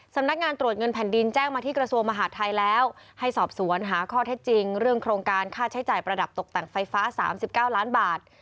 สำนักงานตรวจเงินแผ่นดินแจ้งมาที่กระทรวงมหาดไทยแล้วให้สอบสวนหาข้อเท็จจริงเรื่องโครงการค่าใช้จ่ายประดับตกแต่งไฟฟ้า๓๙ล้านบาท